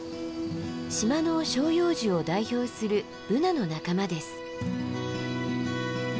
島の照葉樹を代表するブナの仲間です。